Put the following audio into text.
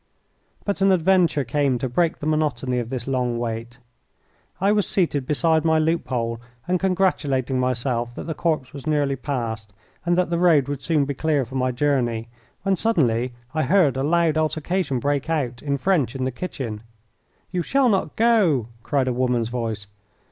But an adventure came to break the monotony of this long wait. I was seated beside my loophole and congratulating myself that the corps was nearly past, and that the road would soon be clear for my journey, when suddenly I heard a loud altercation break out in French in the kitchen. "You shall not go!" cried a woman's voice.